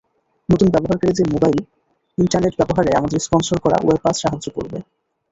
নতুন ব্যবহারকারীদের মোবাইলে ইন্টারনেট ব্যবহারে আমাদের স্পন্সর করা ওয়েব পাস সাহায্য করবে।